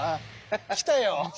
来たよ。